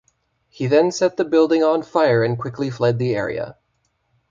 He then set the building on fire and quickly fled the area.